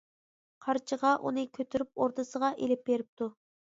قارچىغا ئۇنى كۆتۈرۈپ ئوردىسىغا ئېلىپ بېرىپتۇ.